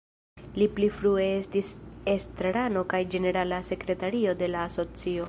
Li pli frue estis estrarano kaj ĝenerala sekretario de la asocio.